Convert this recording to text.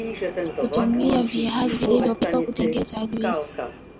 tumia Viazi vilivyopikwa kutengeneza juisi